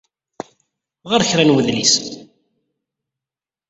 Ɣeṛ kra n udlis!